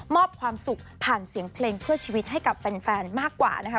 อบความสุขผ่านเสียงเพลงเพื่อชีวิตให้กับแฟนมากกว่านะคะ